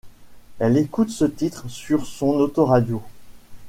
Elle écoute ce titre sur son autoradio.